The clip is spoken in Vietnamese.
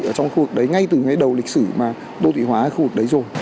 ở trong khu vực đấy ngay từ ngay đầu lịch sử mà đô thị hóa ở khu vực đấy rồi